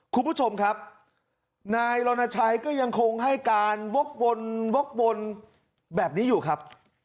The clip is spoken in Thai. คุณผู้ชมครับนายรณชัยก็ยังคงให้การวกวนวกวนแบบนี้อยู่ครับ